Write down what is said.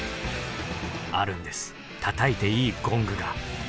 あるんですたたいていいゴングが。